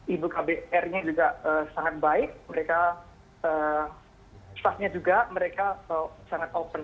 ibu kbr nya juga sangat baik mereka staffnya juga mereka sangat open